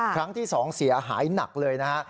ครั้งที่๒เสียหายหนักเลยนะฮะ